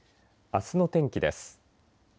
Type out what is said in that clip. あすの天気です。